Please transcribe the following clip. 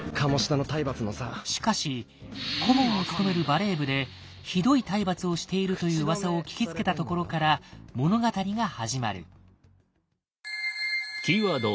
しかし顧問を務めるバレー部でひどい体罰をしているという噂を聞きつけたところから物語が始まる。